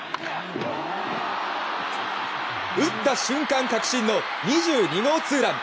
打った瞬間、確信の２２号ツーラン。